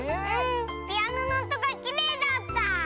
ピアノのおとがきれいだった。